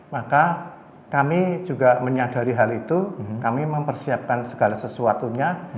maka kami juga menyadari hal itu kami mempersiapkan segala sesuatunya